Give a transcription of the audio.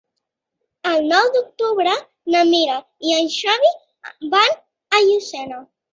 El nou d'octubre na Mira i en Xavi van a Llucena.